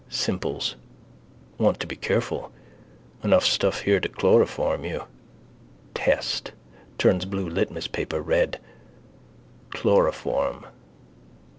Simples. Want to be careful. Enough stuff here to chloroform you. Test: turns blue litmus paper red. Chloroform.